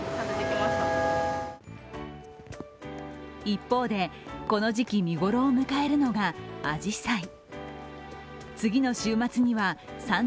一方で、この時期、見頃を迎えるのがあじさい。